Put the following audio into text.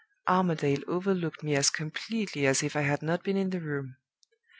Armadale overlooked me as completely as if I had not been in the room.